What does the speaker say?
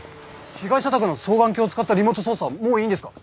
被害者宅の双眼鏡を使ったリモート捜査はもういいんですか？